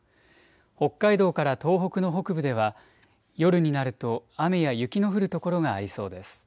北海道から東北の北部では夜になると雨や雪の降る所がありそうです。